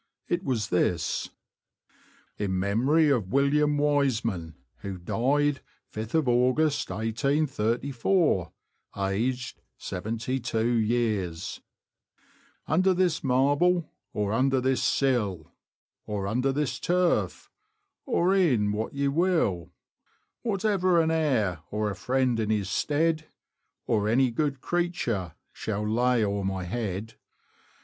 It was this :— In Memory of William Wiseman, who died 5th of August, 1834, aged 72 years — Under this marble, or under this sill, Or under this turf, or e'en M^hat you will, Whatever an heir, or a friend in his stead, Or any good creature, shall lay o'er my head.